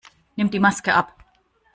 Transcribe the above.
Nimm die Maske ab!